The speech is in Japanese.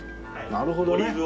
なるほどね。